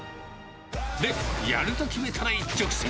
で、やると決めたら一直線。